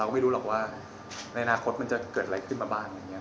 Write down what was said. เราก็ไม่รู้หรอกว่าในอนาคตมันจะเกิดอะไรขึ้นมาบ้าง